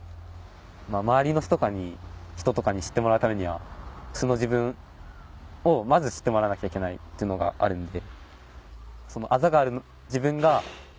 周りの人とかに知ってもらうためには素の自分をまず知ってもらわなきゃいけないっていうのがあるんで。